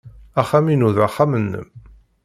Axxam-inu d axxam-nnem.